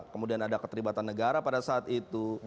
kemudian ada keterlibatan negara pada saat itu